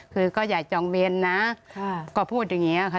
คือก็อยากจองเบียนนะก็พูดอย่างนี้ค่ะ